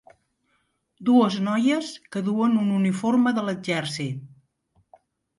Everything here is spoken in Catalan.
dues noies que duen un uniforme de l'exèrcit.